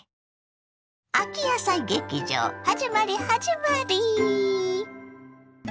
秋野菜劇場はじまりはじまり！